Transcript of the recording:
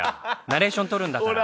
ナレーションとるんだから。